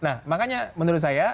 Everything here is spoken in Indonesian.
nah makanya menurut saya